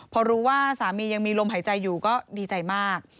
พอรู้ว่าสามียังมีลมหายใจอยู่ก็ดีใจมาก